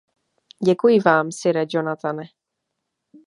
Děkuji vám, sire Jonathane.